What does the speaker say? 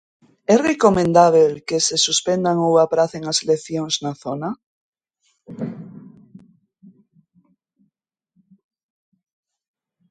É recomendábel que se suspendan ou apracen as eleccións na zona?